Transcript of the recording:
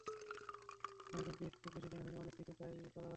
আমি যোগ দিয়েছি খুব বেশি দিন হয়নি, অনেক কিছু তাই করার আছে।